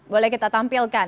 boleh kita tampilkan